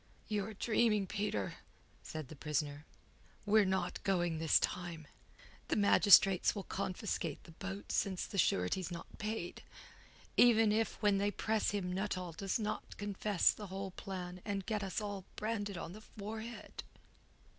"You're dreaming, Peter," said the prisoner. "We're not going this time. The magistrates will confiscate the boat since the surety's not paid, even if when they press him Nuttall does not confess the whole plan and get us all branded on the forehead."